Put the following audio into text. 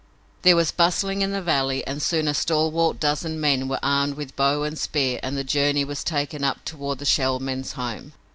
There was bustling in the valley and soon a stalwart dozen men were armed with bow and spear and the journey was taken up toward the Shell Men's home.